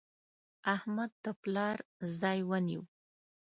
احمد د پلار ځای ونیو.